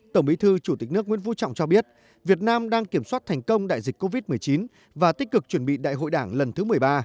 tổng bí thư chủ tịch nước nguyễn phú trọng cho biết việt nam đang kiểm soát thành công đại dịch covid một mươi chín và tích cực chuẩn bị đại hội đảng lần thứ một mươi ba